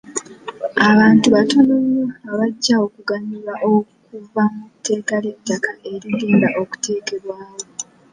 Abantu batono nnyo abajja okuganyulwa okuva mu tteeka ly'etakka erigenda okuteekebwawo.